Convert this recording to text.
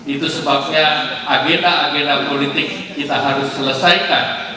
itu sebabnya agenda agenda politik kita harus selesaikan